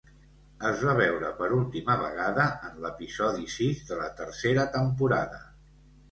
Es va veure per última vegada en l’episodi sis de la tercera temporada.